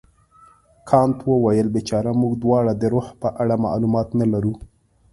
کانت وویل بیچاره موږ دواړه د روح په اړه معلومات نه لرو.